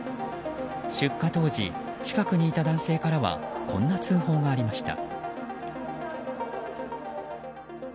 出火当時、近くにいた男性からはこんな通報がありました。